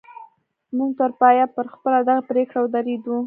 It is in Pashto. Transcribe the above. موږ تر پایه پر خپله دغه پرېکړه ودرېدو